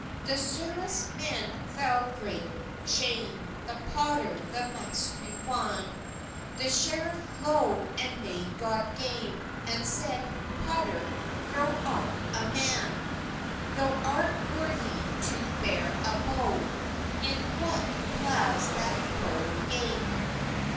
The screffes men thowt gret schame, The potter the mastry wan; The screffe lowe and made god game, And seyde, "Potter, thow art a man; Thow art worthey to ber a bowe, Yn what plas that thow gang."